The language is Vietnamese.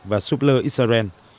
và súp lơ israel